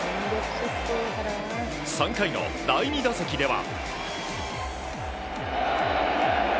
３回の第２打席では。